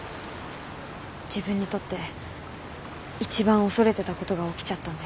自分にとって一番恐れてたことが起きちゃったんで。